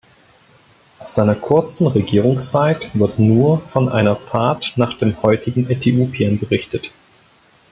Aus seiner kurzen Regierungszeit wird nur von einer Fahrt nach dem heutigen Äthiopien berichtet.